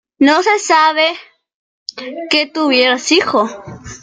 No se sabe que tuviera hijos.